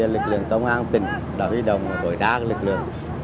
lực lượng công an tỉnh đã huy động và gọi ra lực lượng